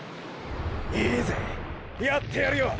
いいぜやってやるよ！！